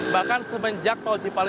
bahkan semenjak taujipala